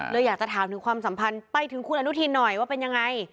อยากจะถามถึงความสัมพันธ์ไปถึงคุณอนุทินหน่อยว่าเป็นยังไง